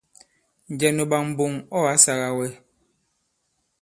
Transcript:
Njɛ nu ɓak mboŋ ɔ̂ ǎ sāgā wɛ?